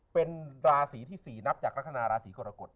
เป็นราศีที่๔นับจากลักษณะราศีกรกฎ